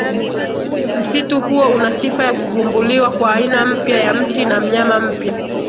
Msitu huo una sifa ya kuvumbuliwa kwa aina mpya ya mti na mnyama mpya